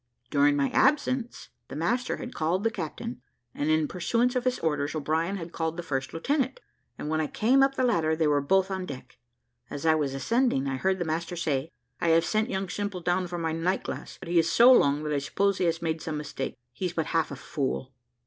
During my absence, the master had called the captain, and in pursuance of his orders, O'Brien had called the first lieutenant, and when I came up the ladder, they were both on deck. As I was ascending I heard the master say, "I have sent young Simple down for my night glass, but he is so long, that I suppose he has made some mistake. He's but half a fool."